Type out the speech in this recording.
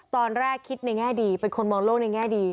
ตอนแรกคิดในแง่ดีเป็นคนมองโลกในแง่ดี